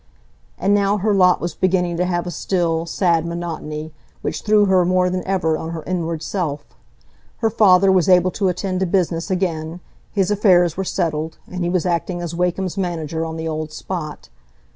And now her lot was beginning to have a still, sad monotony, which threw her more than ever on her inward self. Her father was able to attend to business again, his affairs were settled, and he was acting as Wakem's manager on the old spot.